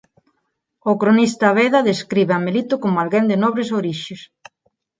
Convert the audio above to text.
O cronista Beda describe a Melito como alguén de nobres orixes.